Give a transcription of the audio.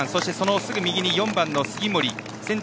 すぐ右に４番の杉森仙台